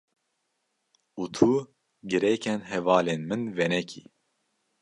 Û tu girêkên hevalên min venekî.